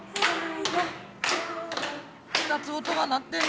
２つ音が鳴ってるね。